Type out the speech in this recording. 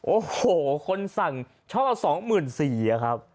โอ้โหคนสั่งช่องกับ๒๔๐๐๐บาทอะครับ